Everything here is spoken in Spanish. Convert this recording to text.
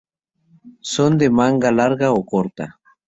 Son de manga larga o corta.